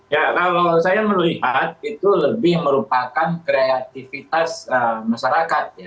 ya kalau saya melihat itu lebih merupakan kreativitas masyarakat